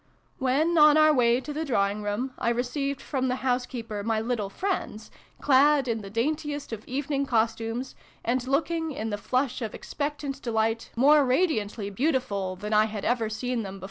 " When, on our way to the drawing room, I received from the housekeeper my little friends, clad in the daintiest of evening costumes, and looking, in the flush of expectant delight, more radiantly beautiful than I had ever seen them 152 SYLVIE AND BRUNO CONCLUDED.